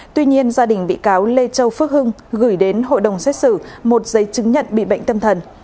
tuy nhiên gia đình bị cáo lê châu phước hưng gửi đến hội đồng xét xử một giấy chứng nhận bị bệnh tâm thần